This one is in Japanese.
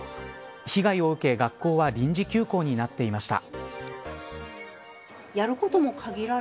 被害を受け学校は臨時休校になっていました。